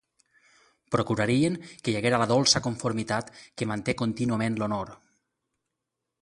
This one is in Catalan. Procurarien que hi haguera la dolça conformitat que manté contínuament l'honor.